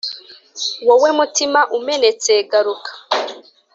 wowe mutima umenetse garuka